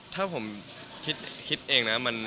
ถ้าผมคิดเองนะ